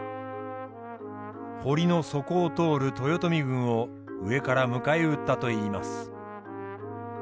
堀の底を通る豊臣軍を上から迎え撃ったといいます。